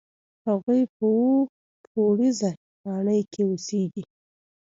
هغوی په اووه پوړیزه ماڼۍ کې اوسېږي.